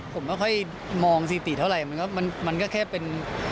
ผมไม่ค่อยมองสถิติเท่าไหร่มันก็แค่เป็น